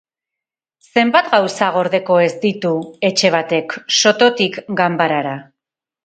Zenbat gauza gordeko ez ditu etxe batek, sototik ganbarara?